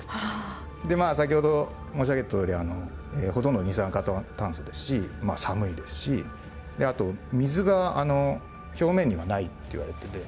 でまあ先ほど申し上げたとおりほとんど二酸化炭素ですし寒いですしあと水が表面にはないっていわれてて。